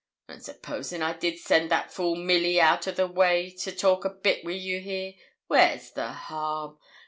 'And supposin' I did send that fool, Milly, out o' the way, to talk a bit wi' you here, where's the harm?